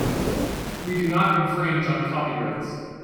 We do not infringe on copyrights.